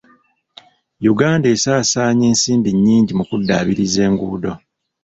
Uganda esaasaanya ensimbi nnyingi mu kuddaabiriza enguudo.